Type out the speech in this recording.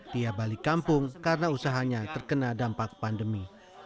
dia balik kampung karena usahanya terkena dampak pandemi